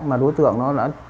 mà đối tượng nó đã